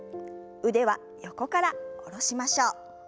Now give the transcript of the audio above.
腕は横から下ろしましょう。